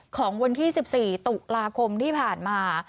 ของวันที่๑๔ตุลาคมที่ผ่านมา